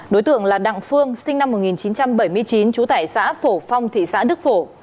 đối tượng là đặng phương sinh năm một nghìn chín trăm bảy mươi chín trú tại xã phổ phong thị xã đức phổ